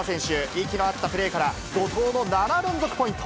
息の合ったプレーから、怒とうの７連続ポイント。